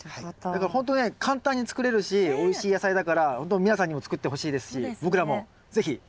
ほんとね簡単に作れるしおいしい野菜だから皆さんにも作ってほしいですし僕らも是非成功させましょう。